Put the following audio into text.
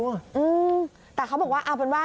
อืมแต่เขาบอกว่าเอาเป็นว่า